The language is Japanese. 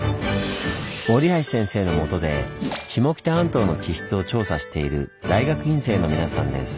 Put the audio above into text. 折橋先生のもとで下北半島の地質を調査している大学院生の皆さんです。